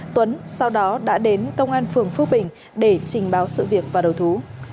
tuấn sau đó đã đến công an phường phước bình để trình báo sự việc và đầu thú